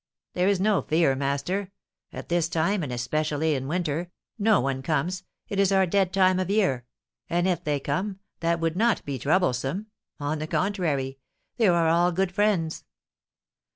'There is no fear, master. At this time, and especially in winter, no one comes, it is our dead time of year; and, if they come, that would not be troublesome; on the contrary, they are all good friends.'